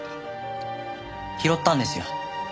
拾ったんですよ。